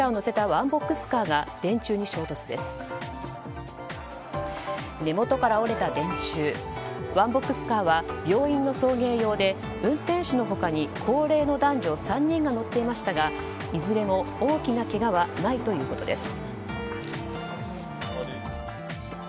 ワンボックスカーは病院の送迎用で運転手の他に、高齢の男女３人が乗っていましたがいずれも大きなけがはないということです。